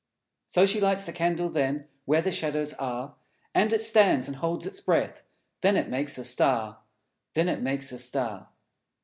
So She lights the candle then, Where the shadows are, And it stands, and holds its breath Then it makes a Star, Then it makes a Star!